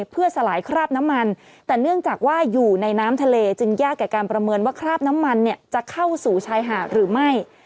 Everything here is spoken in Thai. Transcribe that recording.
เพื่อสลายคราบน้ำมันแต่เนื่องจากว่าอยู่ในน้ำทะเลจึงยากแก่การประเมินว่าคราบน้ำมันจะเข้าสู่ชายหาดหรือไม่